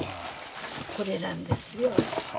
これなんですよ。